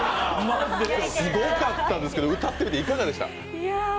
すごかったですけど歌ってみていかがでしたか？